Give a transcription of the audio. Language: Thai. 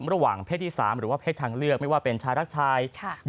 ระหว่างเพศที่๓หรือว่าเพศทางเลือกไม่ว่าเป็นชายรักชาย